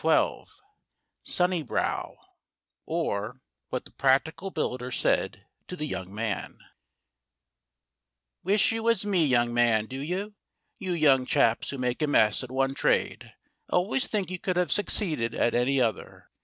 XII SUNNIBROW OR, WHAT THE PRACTICAL BUILDER SAID TO THE YOUNG MAN WISH you was me, young man, do you? You young chaps who make a mess at one trade always think you could have succeeded at any other.